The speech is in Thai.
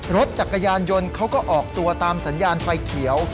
รถจักรยานยนต์เขาก็ออกตัวตามสัญญาณไฟเขียว